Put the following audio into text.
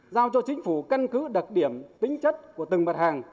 giao cho chính phủ căn cứ đặc điểm tính chất của từng mặt hàng